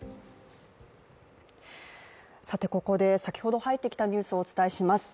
ここで先ほど入ってきたニュースをお伝えします。